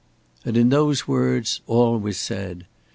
And in those words all was said.